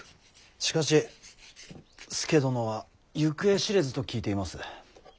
しかし佐殿は行方知れずと聞いています。